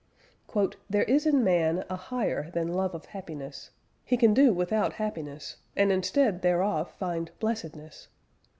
"There is in man a HIGHER than Love of happiness: he can do without happiness and instead thereof find Blessedness!